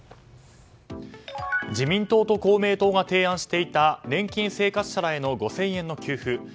自民党と公明党が提案していた年金生活者らへの５０００円の給付。